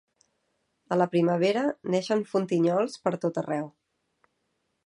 A la primavera neixen fontinyols pertot arreu.